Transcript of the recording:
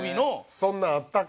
そんなんあったか。